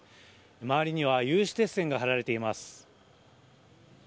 周りには有刺鉄線が張られています。